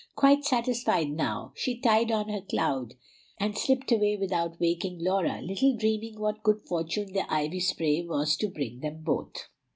Quite satisfied now, she tied on her cloud and slipped away without waking Laura, little dreaming what good fortune the ivy spray was to bring them both.